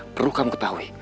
perlu kamu ketahui